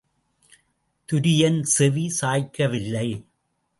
துரியன் செவி சாய்க்கவில்லை.